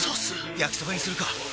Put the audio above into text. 焼きそばにするか！